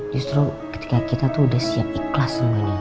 justru ketika kita tuh udah siap ikhlas semuanya